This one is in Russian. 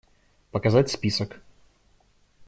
Показать список.